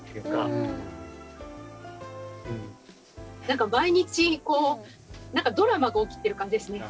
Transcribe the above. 何か毎日こう何かドラマが起きてる感じですね。